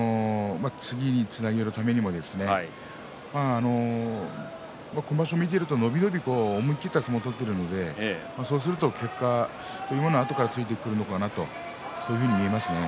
次につなげるためにも今場所、見てると伸び伸び思い切った相撲を取っているのでそうすると結果というのはあとからついてくるのかなとそういうふうに見えますね。